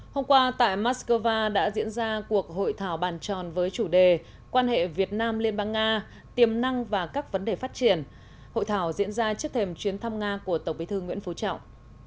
hôm qua tại moscow đã diễn ra cuộc hội thảo bàn tròn với chủ đề quan hệ việt nam liên bang nga tiềm năng và các vấn đề phát triển hội thảo diễn ra trước thềm chuyến thăm nga của tổng bí thư nguyễn phú trọng